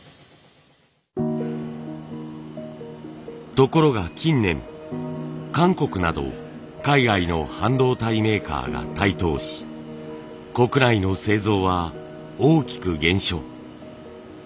ところが近年韓国など海外の半導体メーカーが台頭し国内の製造は大きく減少。